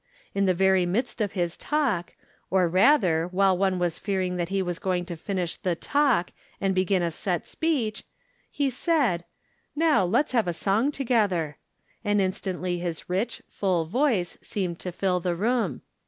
In the very midst of his talk, or, From Different Standpoints. 147 ratlier, while one was fearing tliat he was going to finish the talk and begin a set speech, he said :" Now let us have a song together," and instantly his rich, full voice seemed to fill the room.